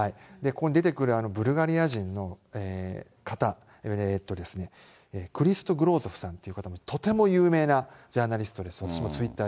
ここに出てくるブルガリア人の方、クリストさんっていうのも、とても有名なジャーナリストです。